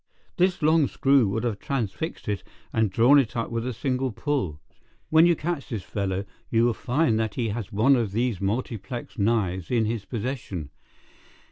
This long screw would have transfixed it and drawn it up with a single pull. When you catch this fellow, you will find that he has one of these multiplex knives in his possession."